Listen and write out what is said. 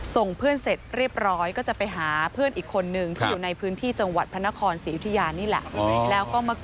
ส่งเพื่อนเสร็จเรียบร้อยก็จะไปหาเพื่อนอีกคนนึงที่อยู่ในพื้นที่จังหวัดพระนครศรีอยุธยานี่แหละ